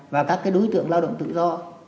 và các cái đối tượng lao động tự do